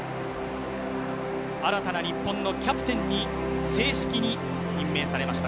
新たな日本のキャプテンに正式に任命されました